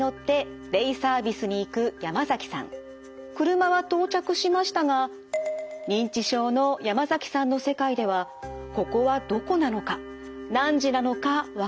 車は到着しましたが認知症の山崎さんの世界ではここはどこなのか何時なのかわからなくなっていました。